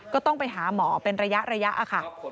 ก็ต้องไปหาหมอเป็นระยะค่ะ